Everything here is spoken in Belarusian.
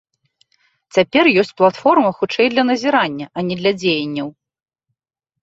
Цяпер ёсць платформа хутчэй для назірання, а не для дзеянняў.